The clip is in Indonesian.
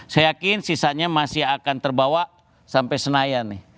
saya yakin sisanya masih akan terbawa sampai senayan nih